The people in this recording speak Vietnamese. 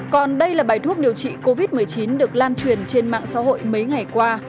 còn đây là bài thuốc điều trị covid một mươi chín được lan truyền trên mạng xã hội mấy ngày qua